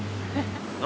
何？